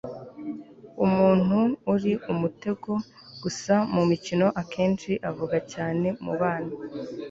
umuntu uri umutego gusa mumikino akenshi avuga cyane mubana